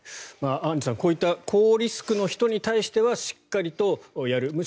アンジュさんこういった高リスクの人に対してはしっかりとやる。